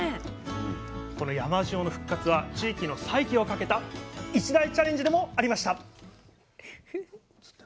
この山塩の復活は地域の再起をかけた一大チャレンジでもありました！